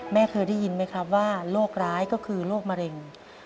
เคยได้ยินไหมครับว่าโรคร้ายก็คือโรคมะเร็ง